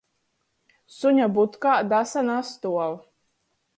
Suņa budkā dasa nastuov!